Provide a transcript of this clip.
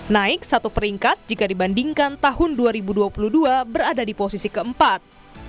naik satu peringkat jika dibandingkan tahun dua ribu dua puluh dua berada di posisi keempat